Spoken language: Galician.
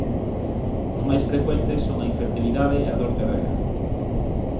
Os máis frecuentes son a infertilidade e a dor de regra.